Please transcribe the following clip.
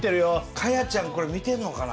果耶ちゃんこれ見てんのかな。